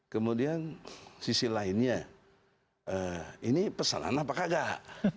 tapi yang sisi lainnya ini pesanan apa enggak